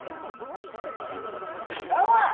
知らんわ！